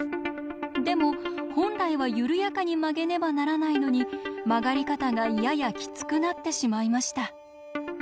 でも本来は緩やかに曲げねばならないのに曲がり方がややキツくなってしまいました。